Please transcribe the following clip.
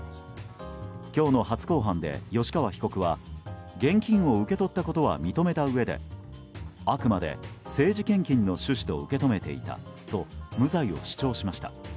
今日の初公判で吉川被告は現金を受け取ったことは認めたうえであくまで政治献金の趣旨と受け止めていたと無罪を主張しました。